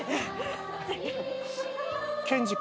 ケンジ君。